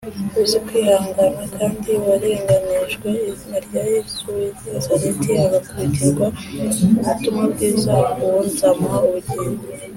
Uzi kwihangana kandi warenganirijwe izina rya Yesu w’I Nazareti agakubitirwa ubutumwa bwiza uwo nzamuha ubugingo.